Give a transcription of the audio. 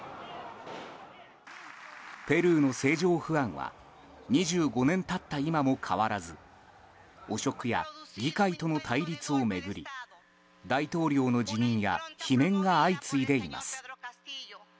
ペルーの政情不安は２５年経った今も変わらず汚職や議会との対立を巡り大統領の辞任や罷免が相次いでいます。